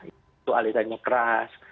itu alirannya keras